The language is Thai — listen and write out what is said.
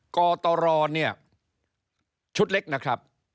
กตรเนี่ยชุดเล็กนะครับ